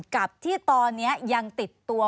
กับที่ตอนนี้ยังติดตัว